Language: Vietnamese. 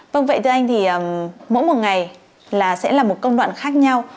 vâng vậy thưa anh thì mỗi một ngày là sẽ là một công đoạn khác nhau